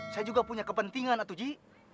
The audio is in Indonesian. saya juga punya kepentingan atau ji